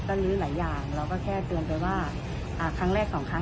เริ่มแรกอ่ะคือเราเข้าใจแหละว่าเด็กทุกคนก็ต้องมีจับหยิบกันบ้าง